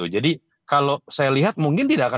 jadi kalau saya lihat mungkin tidak akan